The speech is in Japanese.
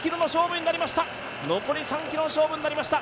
残り３ｋｍの勝負になりました。